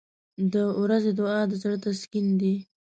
• د ورځې دعا د زړه تسکین دی.